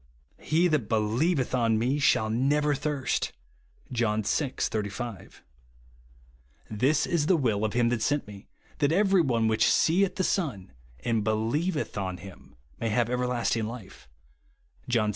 "He that believeth on me shall never thirst," (John vL 35). "This is the 104! BELIEVE AND BE SAVED. will of him that sent me, that every one which seeth the Son, and hdievetk on him, may have everlasting life/' (John vi.